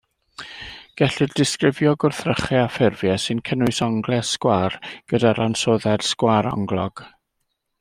Gellir disgrifio gwrthrychau a ffurfiau sy'n cynnwys onglau sgwâr gyda'r ansoddair sgwaronglog.